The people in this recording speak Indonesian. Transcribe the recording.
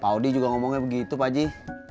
pak audi juga ngomongnya begitu paji